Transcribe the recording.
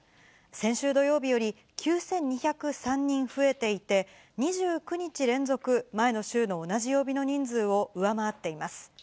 先週土曜日より９２０３人増えていて、２９日連続、前の週の同じ曜日の人数を上回っています。